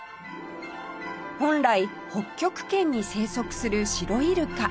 本来北極圏に生息するシロイルカ